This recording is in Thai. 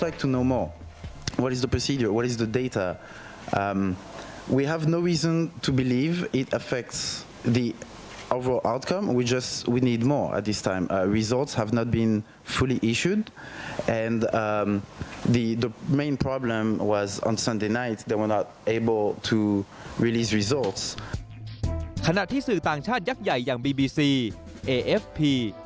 ขณะที่สื่อต่างชาติยักษ์ใหญ่อย่างบีบีซีเอฟพี